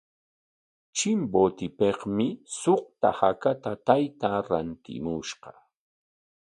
Chimbotepikmi suqta hakata taytaa rantimushqa.